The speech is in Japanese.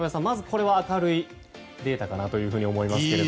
まずこれは明るいデータかなと思います。